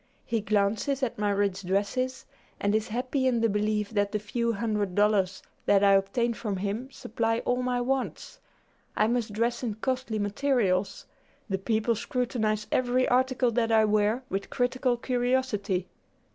He glances at my rich dresses, and is happy in the belief that the few hundred dollars that I obtain from him supply all my wants. I must dress in costly materials. The people scrutinize every article that I wear with critical curiosity.